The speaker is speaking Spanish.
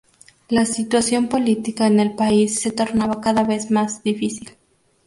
La situación política en el país se tornaba cada vez más difícil.